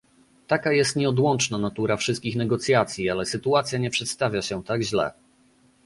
Taka jest nieodłączna natura wszystkich negocjacji, ale sytuacja nie przedstawia się tak źle